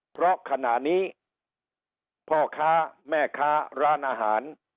เพราะขณะนี้พ่อค้าแม่ค้าร้านอาหาร